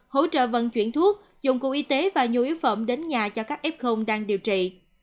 hỗ trợ vận chuyển thuốc dụng cụ y tế và nhu yếu phẩm đến nhà cho các f đang điều trị